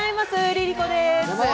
ＬｉＬｉＣｏです。